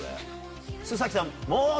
須さん。